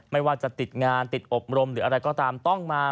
ไม่ว่าจะติดงานติดอบรมหรืออะไรก็ตามต้องมา